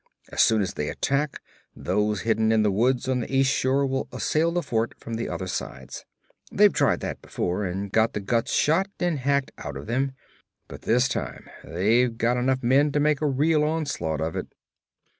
As soon as they attack, those hidden in the woods on the east shore will assail the fort from the other sides. They've tried that before, and got the guts shot and hacked out of them. But this time they've got enough men to make a real onslaught of it.'